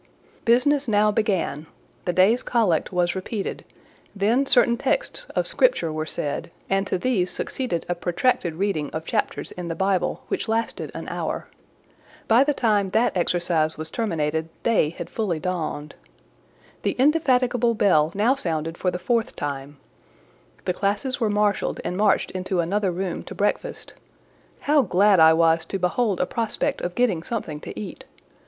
Business now began: the day's Collect was repeated, then certain texts of Scripture were said, and to these succeeded a protracted reading of chapters in the Bible, which lasted an hour. By the time that exercise was terminated, day had fully dawned. The indefatigable bell now sounded for the fourth time: the classes were marshalled and marched into another room to breakfast: how glad I was to behold a prospect of getting something to eat!